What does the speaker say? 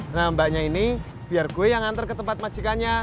nah mbaknya ini biar gue yang ngantar ke tempat majikannya